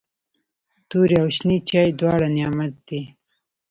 توري او شنې چايي دواړه نعمت دی.